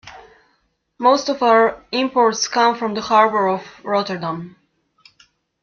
Most of our imports come from the harbor of Rotterdam.